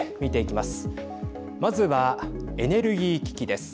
まずは、エネルギー危機です。